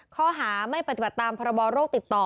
ข้อหาไม่ปฏิบัติตามพรบโรคติดต่อ